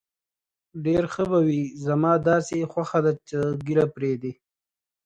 ډېر به ښه وي، زما داسې خوښه ده چې ته ږیره پرېږدې.